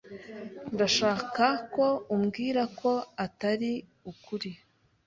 Ndashaka ko umbwira ko atari ukuri